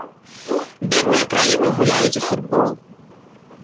Бедныя краіны гуляюць у футбол.